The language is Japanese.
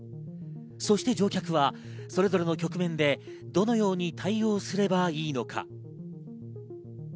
そして乗客はそれぞれの局面でどのように対応をすればいいのか？